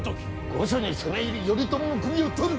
御所に攻め入り頼朝の首を取る！